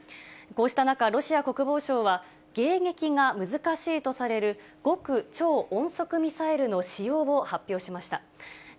こうした中、ロシア国防省は、迎撃が難しいとされる極超音速ミサイルの使用を発表しました。